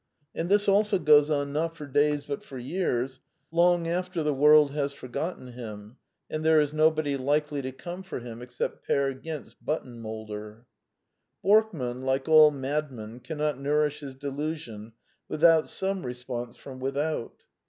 And this also goes on not for days but for years, long after the world has forgotten him, and there is nobody likely to come for him except Peer Gynt's button moulder. Borkman, like all madmen, cannot nourish his delusion without some response from without.